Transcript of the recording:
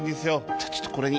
じゃあちょっとこれに。